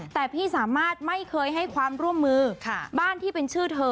แต่พี่สามารถไม่เคยให้ความร่วมมือบ้านที่เป็นชื่อเธอ